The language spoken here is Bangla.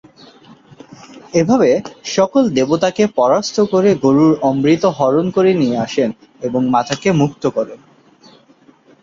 এভাবে সকল দেবতাকে পরাস্ত করে গরুড় অমৃত হরণ করে নিয়ে আসেন এবং মাতাকে মুক্ত করেন।